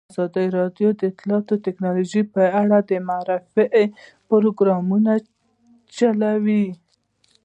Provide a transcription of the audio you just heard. ازادي راډیو د اطلاعاتی تکنالوژي په اړه د معارفې پروګرامونه چلولي.